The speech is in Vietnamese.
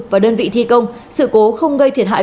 và đơn vị thi công sự cố không gây thiệt hại